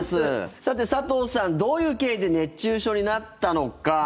佐藤さん、どういう経緯で熱中症になったのか。